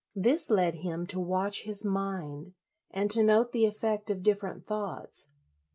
This led him to watch his mind, and to note the effect of different thoughts.